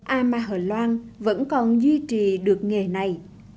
ama hờ loan vẫn còn duy trì được nghề này